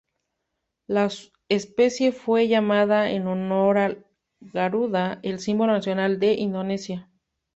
La especie fue llamada en honor al garuda, el símbolo nacional de Indonesia.